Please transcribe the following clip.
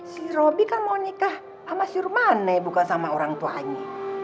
si robby kamu nikah ama sirwani bukan sama orangtua ini